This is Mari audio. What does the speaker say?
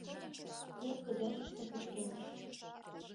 Пӧрт кыдежыште пычкемыш.